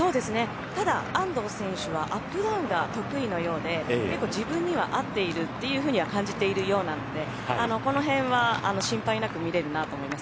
ただ、安藤選手はアップダウンが得意のようで結構、自分には合っているとは感じているようなのでこの辺は心配なく見れるなと思います。